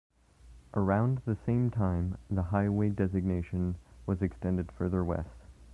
Around the same time, the highway designation was extended further west.